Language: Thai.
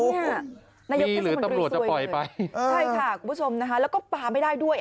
มีหรือตำรวจจะปล่อยไปใช่ค่ะคุณผู้ชมนะฮะแล้วก็ปาไม่ได้ด้วย